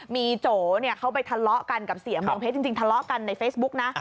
มีโจเขาไปทะเลาะกันกับเสียเมืองเพชรจริงทะเลาะกันในเฟซบุ๊กนะ